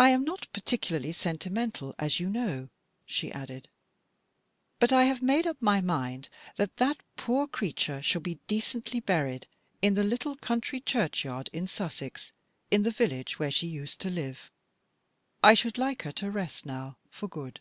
u I'm not particularly sentimental, as you know," she added ;" but I've made up my mind that that poor creature shall be decently buried in the little country churchyard in Sussex, where she used to live. I should like her to rest now, for good.